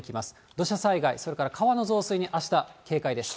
土砂災害、それから川の増水にあした、警戒です。